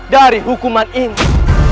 dari hukuman ini